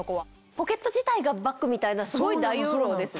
ポケット自体がバッグみたいなすごい大容量ですね。